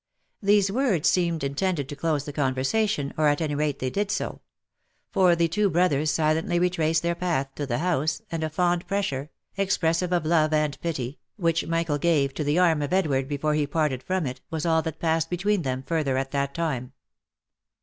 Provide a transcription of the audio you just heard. These words seemed intended to close the conversation, or at any rate they did so ; for the two brothers silently retraced their path to the house, and a fond pressure, expressive of love and pity, which Michael gave to the arm of Edward before he parted from it, was all that passed between them further at that time.